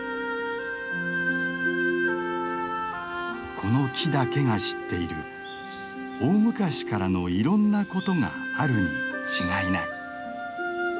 この木だけが知っている大昔からのいろんなことがあるに違いない。